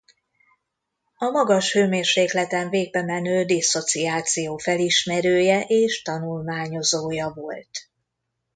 A magas hőmérsékleten végbemenő disszociáció felismerője és tanulmányozója volt.